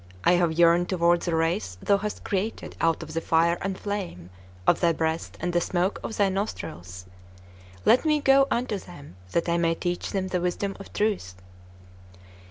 I have yearned toward the race thou hast created out of the fire and flame of thy breast and the smoke of thy nostrils. Let me go unto them, that I may teach them the wisdom of truth."